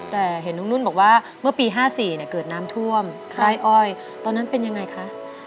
แต่เห็นน้องนุ่นบอกว่าเมื่อปี๕๔เกิดน้ำท่วมไร่อ้อยตอนนั้นเป็นยังไงคะ